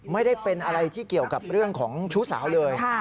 ไม่ได้เป็นอะไรที่เกี่ยวกับเรื่องของชู้สาวเลย